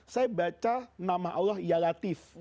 saya baca nama allah ya latif